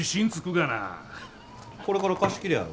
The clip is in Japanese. これから貸し切りやろ？